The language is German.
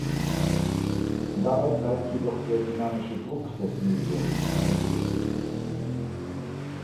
Dabei bleibt jedoch der dynamische Druck des Mediums unberücksichtigt.